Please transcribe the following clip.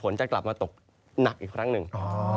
จะกลับมาตกหนักอีกครั้งหนึ่ง